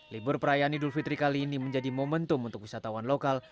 libur perayaan idul fitri kali ini menjadi momentum untuk wisatawan lokal